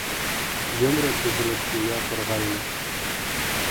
Йомро күҙлек кейә торғайны.